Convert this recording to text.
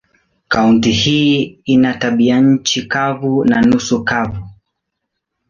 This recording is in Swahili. Kaunti hii ina tabianchi kavu na nusu kavu.